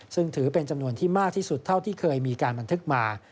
ซึ่งถือเป็นจำนวนที่มากที่สุดเท่าที่เคยมีการบันทึกมา